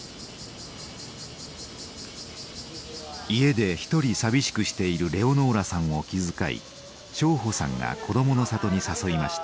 家で１人寂しくしているレオノーラさんを気遣い荘保さんが「こどもの里」に誘いました。